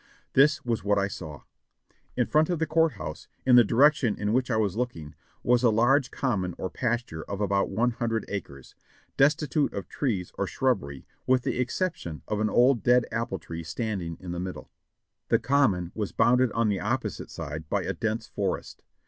This was what I saw : In front of the court house, in the direction in which I was looking, was a large common or pasture of about one hundred acres, destitute of trees or shrubbery with the exception of an old dead apple tree standing in the middle. The common was bounded on the opposite side by a dense forest.